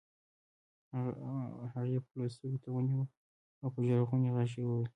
هغې پلو سترګو ته ونيوه او په ژړغوني غږ يې وويل.